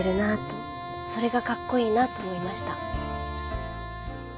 それがかっこいいなと思いました。